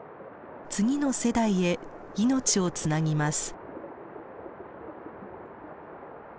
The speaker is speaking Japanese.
次の世代へ命をつなぎます。